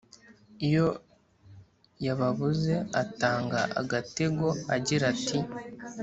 iyo yababuze atanga agategoagira ati